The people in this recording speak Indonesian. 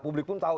publik pun tahu